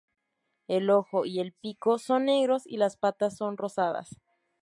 El ojo y el pico son negros y las patas son rosadas.